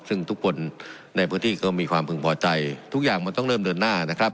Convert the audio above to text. ซึ่งทุกคนในพื้นที่ก็มีความพึงพอใจทุกอย่างมันต้องเริ่มเดินหน้านะครับ